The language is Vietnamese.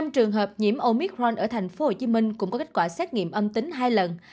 năm trường hợp nhiễm omicron ở tp hcm cũng có kết quả xét nghiệm âm tính hai lần